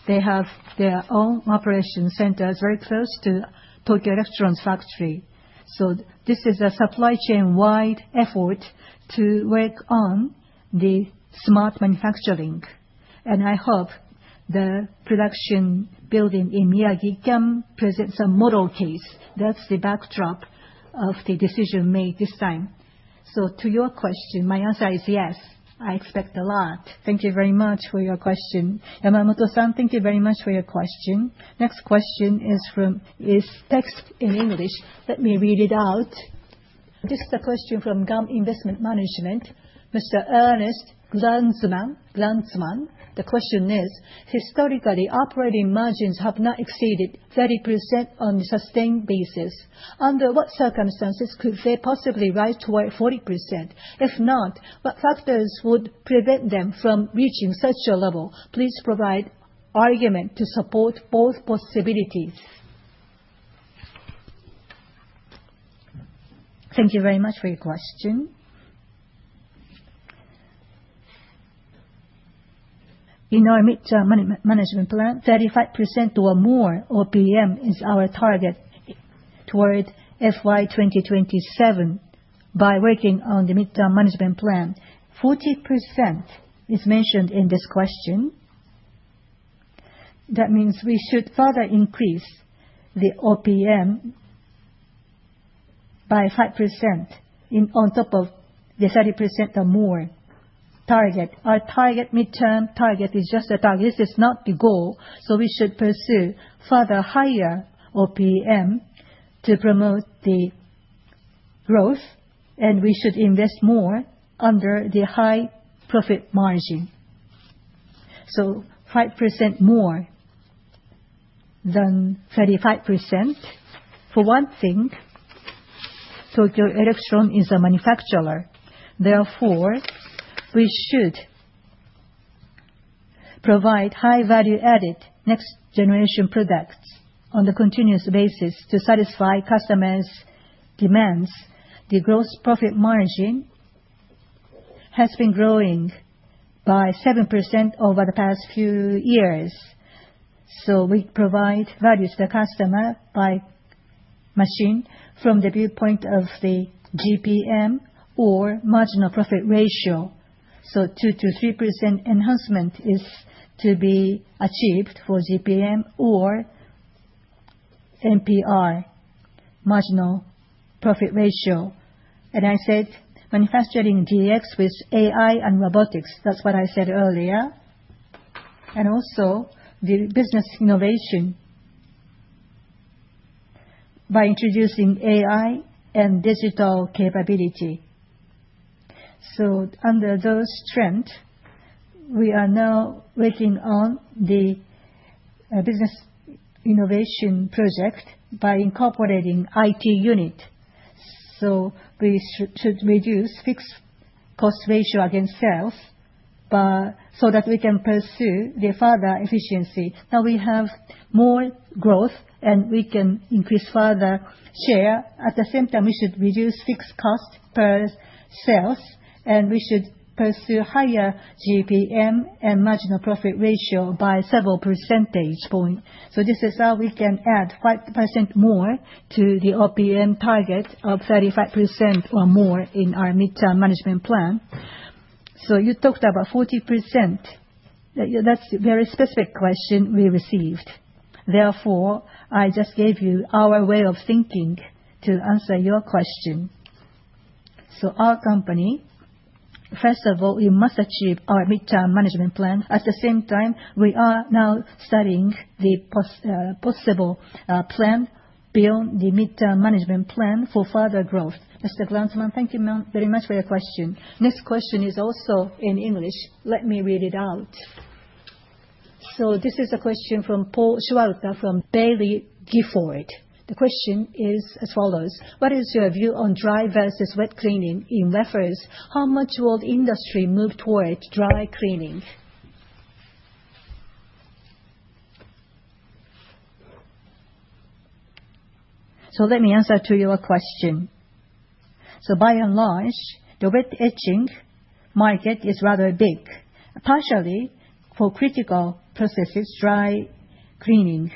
They have their own operation centers very close to Tokyo Electron's factory. So this is a supply chain-wide effort to work on the smart manufacturing. And I hope the production building in Miyagi can present some model case. That's the backdrop of the decision made this time. So to your question, my answer is yes. I expect a lot. Thank you very much for your question. Yamamoto-san, thank you very much for your question. Next question is from. It's text in English. Let me read it out. This is a question from GAM Investment Management. Mr. Ernst Glanzmann, the question is, historically, operating margins have not exceeded 30% on the sustained basis. Under what circumstances could they possibly rise to 40%? If not, what factors would prevent them from reaching such a level? Please provide argument to support both possibilities. Thank you very much for your question. In our mid-term management plan, 35% or more OPM is our target toward FY2027 by working on the mid-term management plan. 40% is mentioned in this question. That means we should further increase the OPM by 5% on top of the 30% or more target. Our target mid-term target is just a target. This is not the goal, so we should pursue further higher OPM to promote the growth, and we should invest more under the high profit margin, so 5% more than 35%. For one thing, Tokyo Electron is a manufacturer. Therefore, we should provide high-value-added next-generation products on a continuous basis to satisfy customers' demands. The gross profit margin has been growing by 7% over the past few years. So we provide value to the customer by machine from the viewpoint of the GPM or marginal profit ratio. So 2%-3% enhancement is to be achieved for GPM or MPR, marginal profit ratio. And I said manufacturing DX with AI and robotics. That's what I said earlier. And also the business innovation by introducing AI and digital capability. So under those trends, we are now working on the business innovation project by incorporating IT unit. So we should reduce fixed cost ratio against sales so that we can pursue the further efficiency. Now we have more growth, and we can increase further share. At the same time, we should reduce fixed cost per sales, and we should pursue higher GPM and marginal profit ratio by several percentage points. So this is how we can add 5% more to the OPM target of 35% or more in our mid-term management plan. So you talked about 40%. That's a very specific question we received. Therefore, I just gave you our way of thinking to answer your question. So our company, first of all, we must achieve our mid-term management plan. At the same time, we are now studying the possible plan, build the mid-term management plan for further growth. Mr. Glanzman, thank you very much for your question. Next question is also in English. Let me read it out. So this is a question from Paulina Sward from Baillie Gifford. The question is as follows. What is your view on dry versus wet cleaning? In reference, how much will the industry move toward dry cleaning? So let me answer to your question. So by and large, the wet cleaning market is rather big. Partially, for critical processes, dry cleaning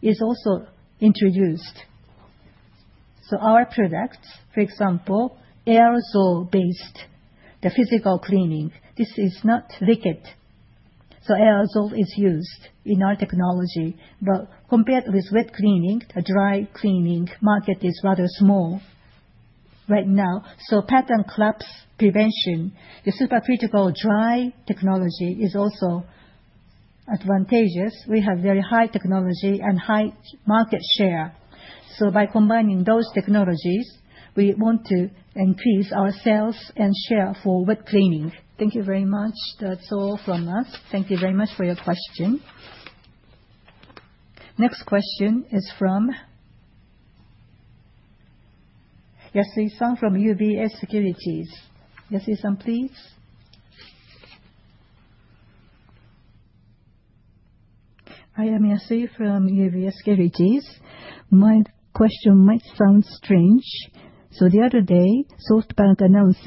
is also introduced. So our products, for example, aerosol-based, the physical cleaning, this is not liquid. So aerosol is used in our technology. But compared with wet cleaning, the dry cleaning market is rather small right now. So pattern collapse prevention, the supercritical dry technology is also advantageous. We have very high technology and high market share. So by combining those technologies, we want to increase our sales and share for wet cleaning. Thank you very much. That's all from us. Thank you very much for your question. Next question is from Yasui-san from UBS Securities. Yasui-san, please. I am Yasu from UBS Securities. My question might sound strange. So the other day, SoftBank announced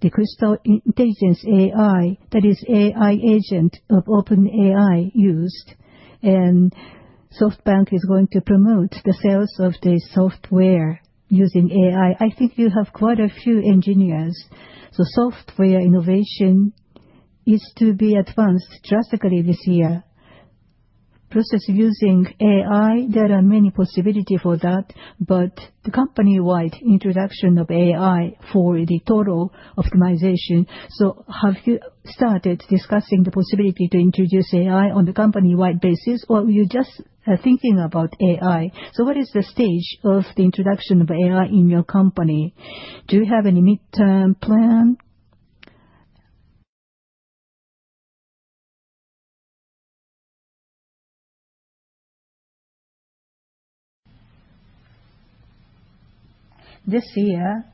the Crystal Intelligence AI, that is, AI agent of OpenAI used. And SoftBank is going to promote the sales of the software using AI. I think you have quite a few engineers. So software innovation is to be advanced drastically this year. Process using AI, there are many possibilities for that, but the company-wide introduction of AI for the total optimization. So have you started discussing the possibility to introduce AI on the company-wide basis, or are you just thinking about AI? So what is the stage of the introduction of AI in your company? Do you have any mid-term plan? This year,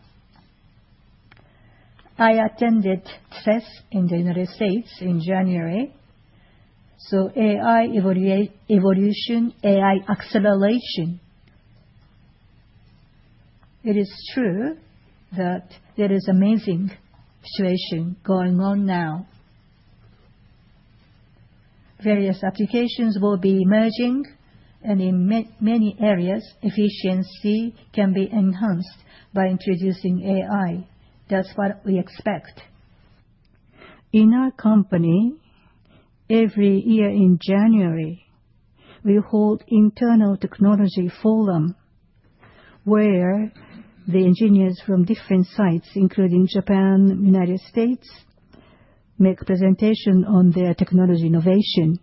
I attended CES in the United States in January. So AI evolution, AI acceleration. It is true that there is an amazing situation going on now. Various applications will be emerging, and in many areas, efficiency can be enhanced by introducing AI. That's what we expect. In our company, every year in January, we hold an internal technology forum where the engineers from different sites, including Japan, United States, make presentations on their technology innovation,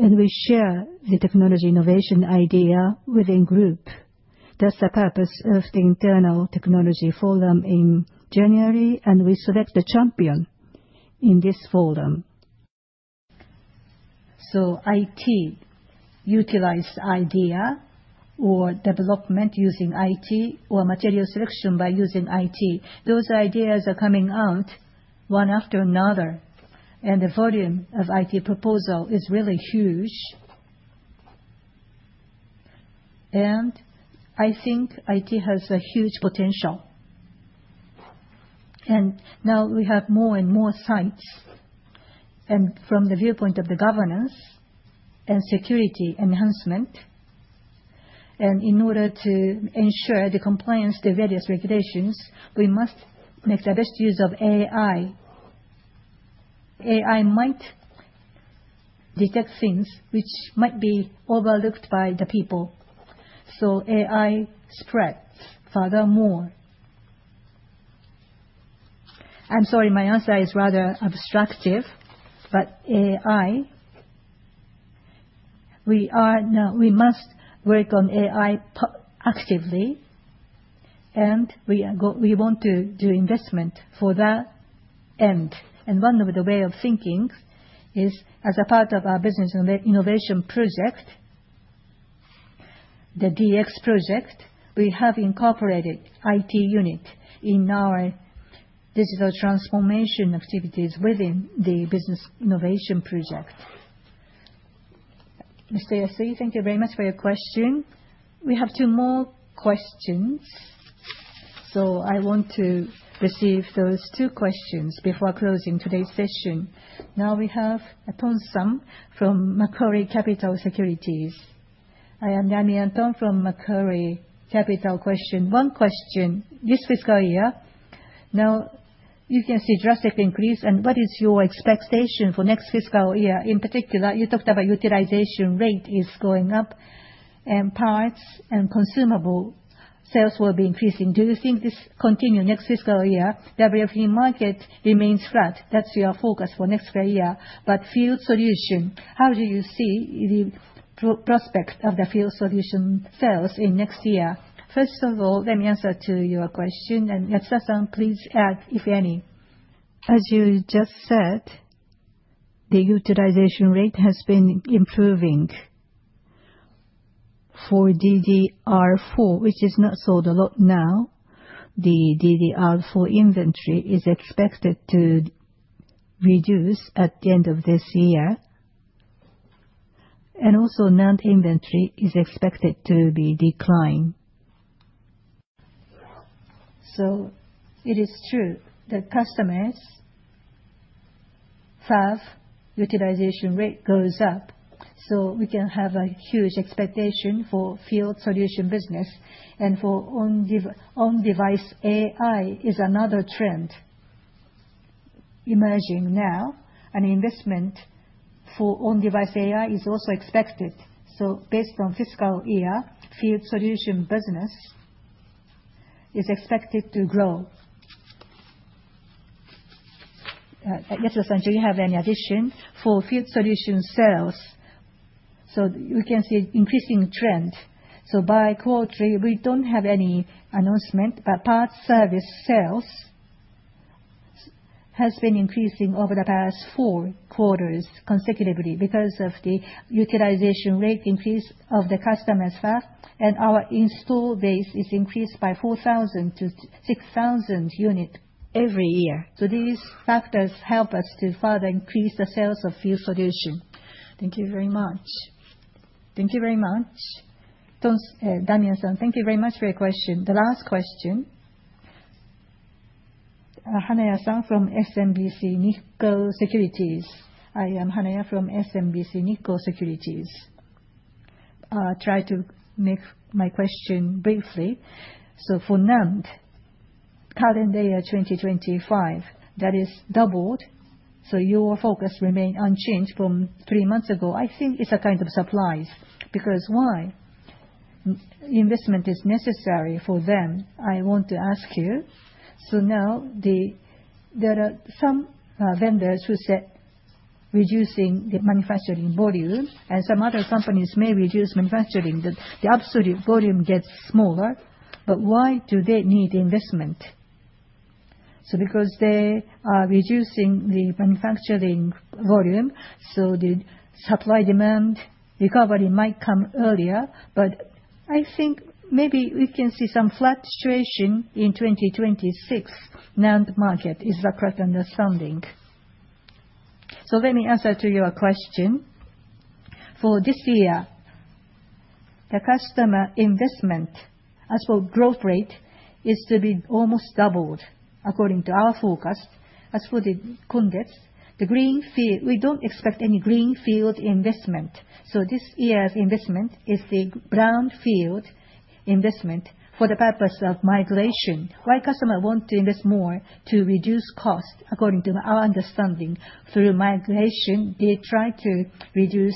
and we share the technology innovation idea within the group. That's the purpose of the internal technology forum in January, and we select a champion in this forum, so IT utilized idea or development using IT or material selection by using IT. Those ideas are coming out one after another, and the volume of IT proposals is really huge, and I think IT has a huge potential, and now we have more and more sites, and from the viewpoint of the governance and security enhancement, and in order to ensure the compliance to various regulations, we must make the best use of AI. AI might detect things which might be overlooked by the people, so AI spreads furthermore. I'm sorry, my answer is rather abstract, but AI, we must work on AI actively, and we want to do investment for that end. One of the ways of thinking is, as a part of our business innovation project, the DX project, we have incorporated an IT unit in our digital transformation activities within the business innovation project. Mr. Yasui, thank you very much for your question. We have two more questions. I want to receive those two questions before closing today's session. Now we have a Damian Thong from Macquarie Capital Securities. I am Damian Thong from Macquarie Capital. Question. One question. This fiscal year, now you can see a drastic increase. And what is your expectation for next fiscal year? In particular, you talked about utilization rate is going up, and parts and consumable sales will be increasing. Do you think this continues next fiscal year? WFE market remains flat. That's your forecast for next year. But Field Solutions, how do you see the prospect of the Field Solutions sales in next year? First of all, let me answer to your question. And Yatsuda-san, please add if any. As you just said, the utilization rate has been improving for DDR4, which is not sold a lot now. The DDR4 inventory is expected to reduce at the end of this year. And also, non-HBM inventory is expected to be declined. So it is true that customers' fab utilization rate goes up. So we can have a huge expectation for Field Solutions business. And for on-device AI is another trend emerging now. And investment for on-device AI is also expected. So based on fiscal year, Field Solutions business is expected to grow. Yatsuda-san, do you have any addition? For Field Solutions sales, so we can see an increasing trend. So by quarter, we don't have any announcement, but parts service sales has been increasing over the past four quarters consecutively because of the utilization rate increase of the customers' fab. And our installed base is increased by 4,000-6,000 units every year. So these factors help us to further increase the sales of Field Solutions. Thank you very much. Thank you very much. Damian-san, thank you very much for your question. The last question. Hanaya-san from SMBC Nikko Securities. I am Hanaya-san from SMBC Nikko Securities. I'll try to make my question briefly. So for NAND, calendar year 2025, that is doubled. So your focus remains unchanged from three months ago. I think it's a kind of surprise because why? Investment is necessary for them. I want to ask you. So now there are some vendors who said reducing the manufacturing volume, and some other companies may reduce manufacturing. The absolute volume gets smaller, but why do they need investment? So because they are reducing the manufacturing volume, so the supply-demand recovery might come earlier. But I think maybe we can see some flat situation in 2026. NAND market is the correct understanding. So let me answer to your question. For this year, the customer investment, as for growth rate, is to be almost doubled according to our forecast. As for the context, the greenfield, we don't expect any greenfield investment. So this year's investment is the brownfield investment for the purpose of migration. Why do customers want to invest more to reduce cost? According to our understanding, through migration, they try to reduce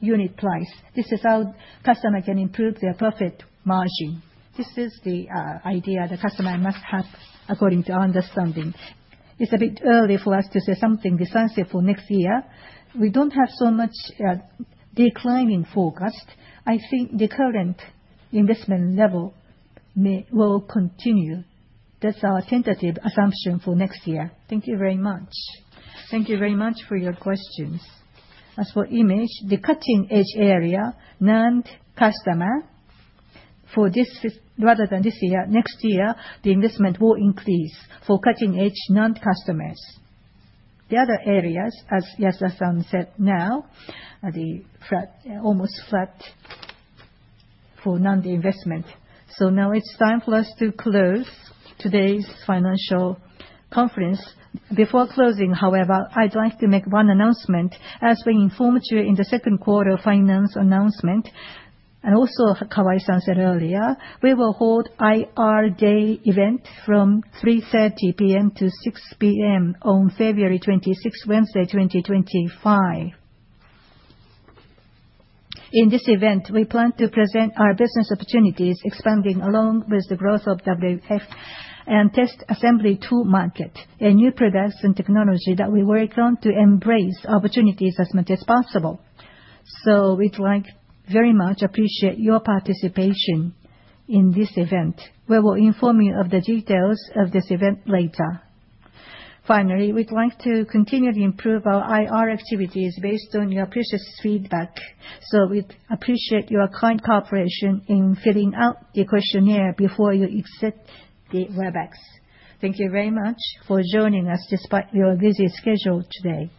unit price. This is how customers can improve their profit margin. This is the idea the customer must have according to our understanding. It's a bit early for us to say something decisive for next year. We don't have so much declining forecast. I think the current investment level will continue. That's our tentative assumption for next year. Thank you very much. Thank you very much for your questions. As for image, the cutting-edge area, NAND customer, for this rather than this year, next year, the investment will increase for cutting-edge NAND customers. The other areas, as Yatsuda-san said now, are almost flat for NAND investment. So now it's time for us to close today's financial conference. Before closing, however, I'd like to make one announcement. As we informed you in the second quarter finance announcement, and also Kawai-san said earlier, we will hold IR Day event from 3:30 P.M. to 6:00 P.M. on February 26, Wednesday, 2025. In this event, we plan to present our business opportunities expanding along with the growth of WFE and test and assembly tool market, a new products and technology that we work on to embrace opportunities as much as possible. So we'd like very much to appreciate your participation in this event. We will inform you of the details of this event later. Finally, we'd like to continually improve our IR activities based on your precious feedback. So we appreciate your kind cooperation in filling out the questionnaire before you exit the Webex. Thank you very much for joining us despite your busy schedule today.